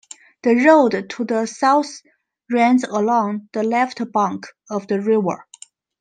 The road to the south runs along the left bank of the river.